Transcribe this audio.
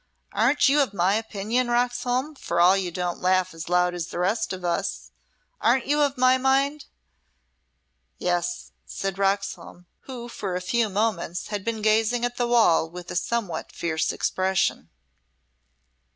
Aren't you of my opinion, Roxholm, for all you don't laugh as loud as the rest of us? Aren't you of my mind?" "Yes," said Roxholm, who for a few moments had been gazing at the wall with a somewhat fierce expression.